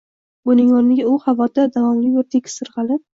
Buning o‘rniga u havoda davomli bir tekis sirg‘alib